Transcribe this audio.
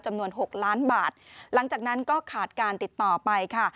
หกล้านบาทหลังจากนั้นก็ขาดการติดต่อไปค่ะ